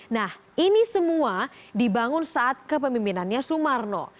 nah ini semua dibangun saat kepemimpinannya sumarno